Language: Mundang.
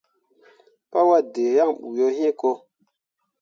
Paa waddǝǝ yaŋ bu yo hĩĩ ko.